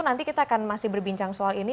nanti kita akan masih berbincang soal ini